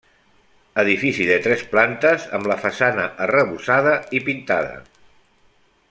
Edifici de tres plantes, amb la façana arrebossada i pintada.